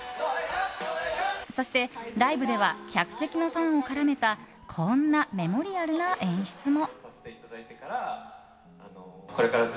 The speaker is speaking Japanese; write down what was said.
そしてライブでは客席のファンを絡めたこんなメモリアルな演出も。